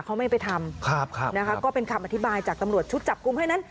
เพราะว่าเนื้อตัวเงินตัวทองราคาแพงกว่าปลาอยู่แล้วครับ